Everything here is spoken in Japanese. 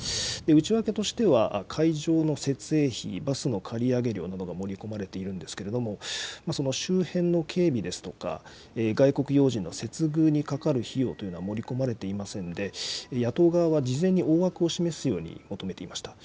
内訳としては、会場の設営費、バスの借り上げ料などが盛り込まれているんですけれども、その周辺の警備ですとか、外国要人の接遇にかかる費用というのは盛り込まれていませんで、野党側は事前に大枠を示すように求めていました。